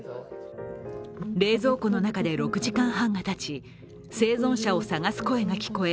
冷蔵庫の中で６時間半がたち生存者を捜す声が聞こえ